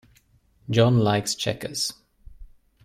John likes checkers.